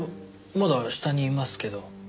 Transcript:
まだ下にいますけど。